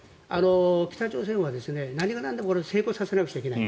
北朝鮮は何がなんでも成功させなきゃいけない。